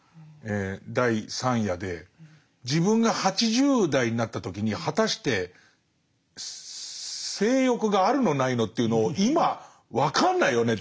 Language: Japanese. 第３夜で自分が８０代になった時に果たして性欲があるのないのっていうのを今分かんないよねって。